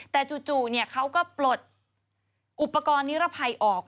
แต่จู่เขาก็ปลดอุปกรณ์นิรภัยออก